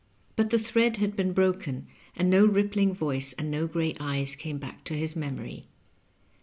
But the thread had been broken, and no rippling voice and no gray eyes came back to his memory.